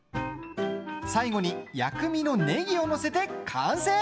最後に、薬味のねぎを載せて完成。